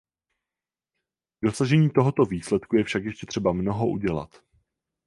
K dosažení tohoto výsledku je však ještě třeba mnoho udělat.